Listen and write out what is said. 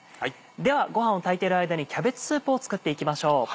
ではごはんを炊いてる間にキャベツスープを作っていきましょう。